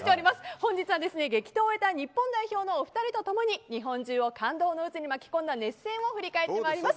本日は激闘を終えた日本代表のお二人とともに日本中を感動の渦に巻き込んだ熱戦を振り返ってまいります。